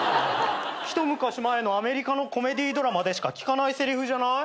一昔前のアメリカのコメディードラマでしか聞かないせりふじゃない？